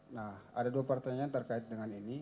nah ada dua pertanyaan terkait dengan ini